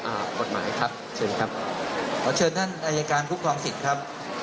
กฎหมายครับเชิญครับขอเชิญท่านอายการคุ้มครองสิทธิ์ครับ